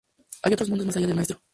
Hay otro mundo más allá del nuestro.